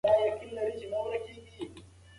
د وریژو حاصلات باید په مني کې په وخت راټول شي.